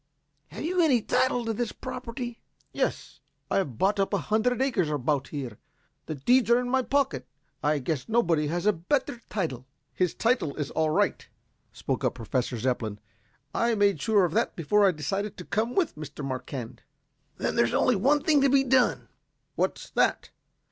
Have you any title to this property?" "Yes. I have bought up a hundred acres about here. The deeds are in my pocket. I guess nobody has a better title.". "His title is all right," spoke up Professor Zepplin. "I made sure of that before I decided to come with Mr. Marquand." "Then there's only one thing to be done." "What's that?"